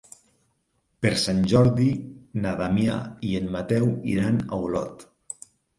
Per Sant Jordi na Damià i en Mateu iran a Olot.